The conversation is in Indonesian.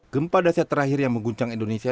gempa dasar terakhir yang mengguncang indonesia